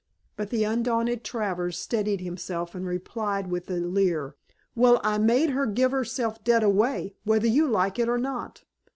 But the undaunted Travers steadied himself and replied with a leer, "Well, I made her give herself dead away, whether you like it or not.